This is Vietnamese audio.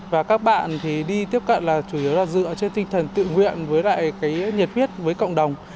và các bạn thì đi tiếp cận là chủ yếu là dựa trên tinh thần tự nguyện với lại cái nhiệt huyết với cộng đồng